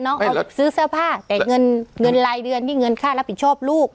น้องเอาซื้อเสื้อผ้าแต่เงินเงินรายเดือนนี่เงินค่ารับผิดชอบลูก